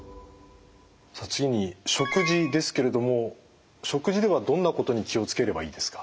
さあ次に食事ですけれども食事ではどんなことに気を付ければいいですか？